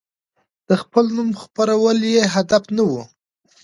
د خپل نوم خپرول يې هدف نه و.